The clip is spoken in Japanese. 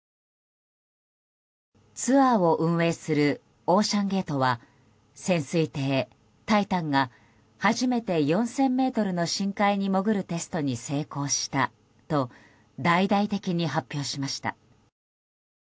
ツアーを運営するオーシャンゲートは潜水艇「タイタン」が初めて４０００ｍの深海に潜るテストに成功したと大々的に発表しました。